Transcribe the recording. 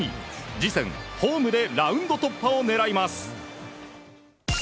次戦、ホームでラウンド突破を狙います。